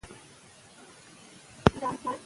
د ایران صفوي دربار په سیمه کې ظالمانه اداره درلوده.